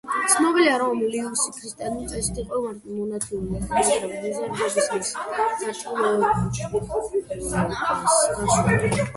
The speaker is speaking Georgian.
ცნობილია, რომ ლუისი ქრისტიანული წესით იყო მონათლული, მაგრამ მოზარდობისას სარწმუნოებას დაშორდა.